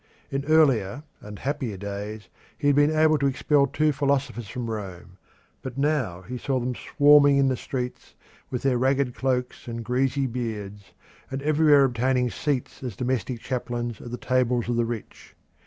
In earlier and happier days he had been able to expel two philosophers from Rome, but now he saw them swarming in the streets with their ragged cloaks and greasy beards, and everywhere obtaining seats as domestic chaplains at the tables of the rich.